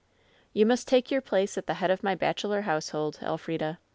"You must take your place at the head of my bachelor household, Elf rida.